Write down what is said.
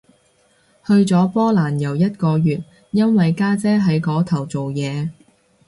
去咗波蘭遊一個月，因為家姐喺嗰頭做嘢